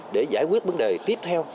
để giải quyết vấn đề tiếp theo